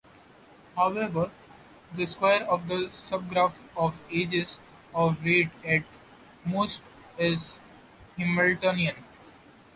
However, the square of the subgraph of edges of weight at most is Hamiltonian.